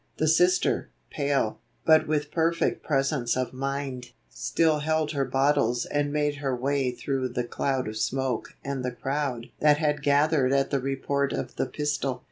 The Sister, pale, but with perfect presence of mind, still held her bottles and made her way through the cloud of smoke and the crowd that had gathered at the report of the pistol.